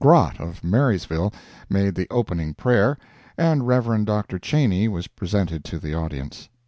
Grot, of Marysville, made the opening prayer, and Rev. Dr. Cheney was presented to the audience.